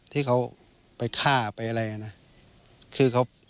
ที่เขาไปฆ่าเพราะอะไรอ่ะ